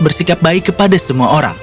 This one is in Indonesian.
bersikap baik kepada semua orang